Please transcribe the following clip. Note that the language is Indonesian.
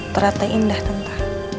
ternyata indah tante